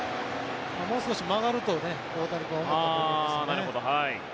もう少し曲がると大谷君は思ったと思うんですよね。